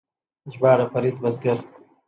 ژباړه فرید بزګر